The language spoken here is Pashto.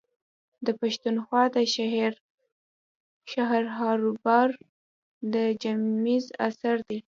د پښتونخوا د شعرهاروبهار د جيمز اثر دﺉ.